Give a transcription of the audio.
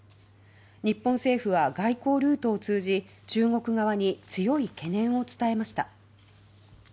日本政府は外交ルートを通じ中国側に強い懸念を伝えました。